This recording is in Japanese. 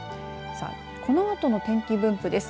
さあ、このあとの天気分布です。